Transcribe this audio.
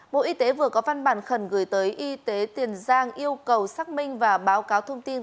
bộ y tế vừa có văn bản khẩn gửi tới y tế tiền giang yêu cầu xác minh và báo cáo thông tin